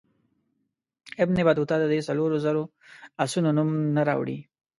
ابن بطوطه د دې څلورو زرو آسونو نوم نه راوړي.